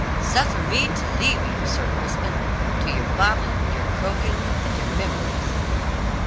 "Suffer me to leave you, Sir Crispin, to your bottle, your croaking, and your memories."